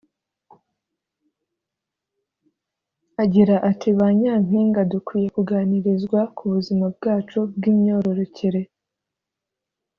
Agira ati “Ba Nyampinga dukwiye kuganirizwa ku buzima bwacu bw’imyorokerere